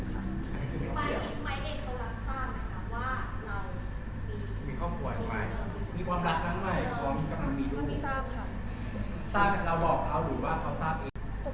ปกติซาร่าคบใครซาร่าไม่เคยปิดบังกับคนล่อข้างอยู่แล้ว